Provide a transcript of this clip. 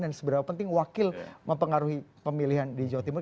seberapa penting wakil mempengaruhi pemilihan di jawa timur